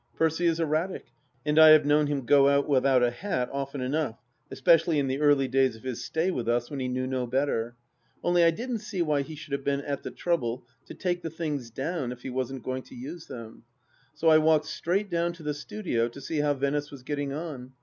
Percy is erratic, and I have known him go out without a hat often enough, especially in the early days of his stay with us when he knew no better, only I didn't see why he should have been at the trouble to take the things down if he wasn't going to use them. So I walked straight down to the studio to see how Venice was getting on.